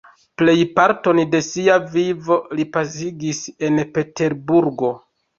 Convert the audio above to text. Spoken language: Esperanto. Plejparton de sia vivo li pasigis en Peterburgo.